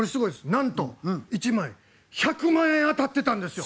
なんと１枚１００万円当たってたんですよ。